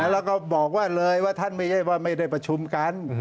แล้วก็บอกว่าเลยว่าท่านไม่ได้ประชุมกัน